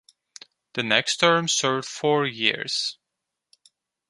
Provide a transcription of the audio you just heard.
The next term served four years.